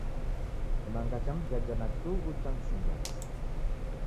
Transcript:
Kimanga cha mjaja na chughu chanisingiaa sana.